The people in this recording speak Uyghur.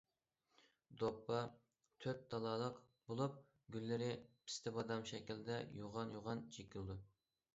دوپپا تۆت تالالىق بولۇپ، گۈللىرى پىستە بادام شەكلىدە يوغان- يوغان چېكىلىدۇ.